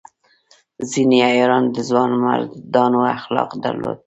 ځینې عیاران د ځوانمردانو اخلاق درلودل.